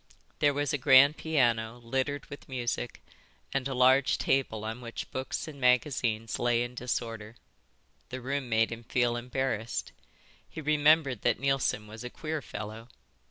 There was a grand piano littered with music, and a large table on which books and magazines lay in disorder. The room made him feel embarrassed. He remembered that Neilson was a queer fellow.